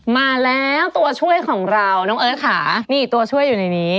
มาแล้วตัวช่วยของเราน้องเอิร์ทค่ะนี่ตัวช่วยอยู่ในนี้